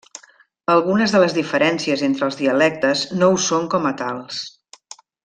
Algunes de les diferències entre els dialectes no ho són com a tals.